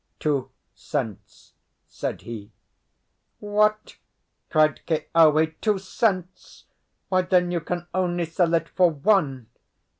"Two cents," said he. "What?" cried Keawe, "two cents? Why, then, you can only sell it for one.